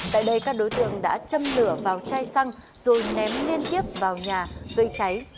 tại đây các đối tượng đã châm lửa vào chai xăng rồi ném liên tiếp vào nhà gây cháy